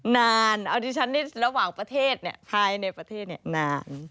นานอดิฉันนี้ระหว่างประเทศเนี่ยภายในประเทศเนี่ย